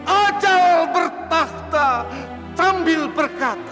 ajal bertahta sambil berkata